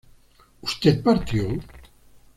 ¿Usted partió?